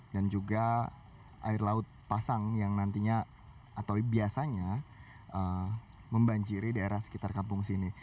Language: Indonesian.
dan juga air laut pasang yang nantinya atau biasanya membanjiri daerah sekitar kampung sini